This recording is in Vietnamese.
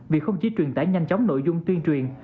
vì không chỉ truyền tải nhanh chóng nội dung tuyên truyền